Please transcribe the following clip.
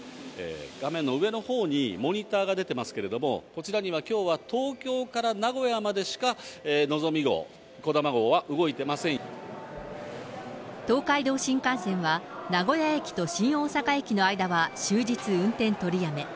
画面の上のほうにモニターが出ていますけど、こちらにはきょうは、東京から名古屋までしか、のぞみ号、東海道新幹線は、名古屋駅と新大阪駅の間は終日運転取りやめ。